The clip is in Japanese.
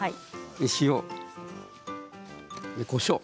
塩、こしょう。